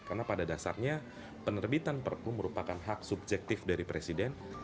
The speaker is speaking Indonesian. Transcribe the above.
karena pada dasarnya penerbitan perpu merupakan hak subjektif dari presiden